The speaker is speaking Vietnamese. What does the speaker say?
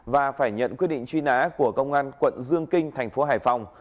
và phải nhận quyết định truy nã của công an quận dương kinh tp hải phòng